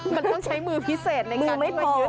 มันต้องใช้มือพิเศษในการยึดมือไม่พอ